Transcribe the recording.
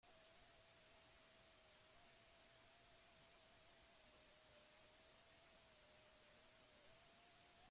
Errealitate areagotua eguneroko bizitzan erabiliko dugula diote.